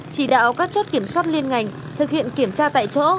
chỉ đạo các chốt kiểm soát liên ngành thực hiện kiểm tra tại chỗ